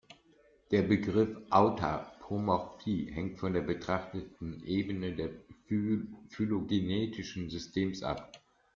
Der Begriff Autapomorphie hängt von der betrachteten Ebene des phylogenetischen Systems ab.